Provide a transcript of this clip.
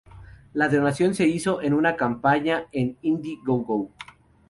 La donación se hizo en una campaña en "IndieGoGo".